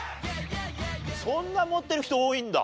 そんな持ってる人多いんだ。